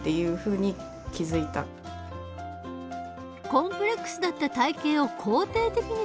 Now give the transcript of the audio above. コンプレックスだった体型を肯定的に捉える。